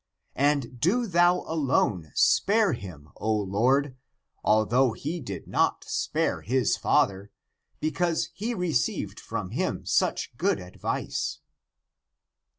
And do thou alone spare him, O Lord, although he did not spare his father, because he received from him such g ood advice